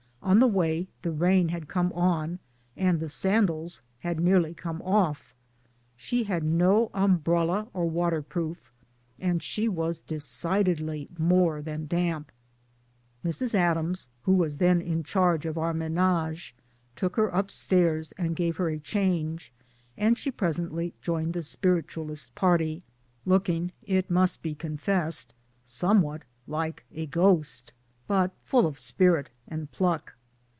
On the way the rain had come on, and the sandals had nearly come off. She had no umbrella or waterproof ; and she was decidedly more than damp. Mrs. Adams, who was then in charge of our menage, took her upstairs and gave her a change, and she presently joined the Spiritualist party, looking it must be confessed somewhat like MY DAYS AND DREAMS a ghost ; but full of spirit and pluck.